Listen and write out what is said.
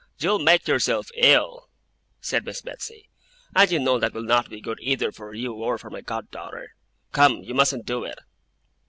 'You'll make yourself ill,' said Miss Betsey, 'and you know that will not be good either for you or for my god daughter. Come! You mustn't do it!